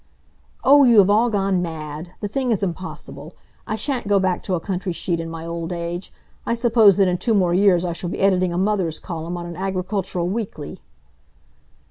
"Oh, you have all gone mad! The thing is impossible. I shan't go back to a country sheet in my old age. I suppose that in two more years I shall be editing a mothers' column on an agricultural weekly."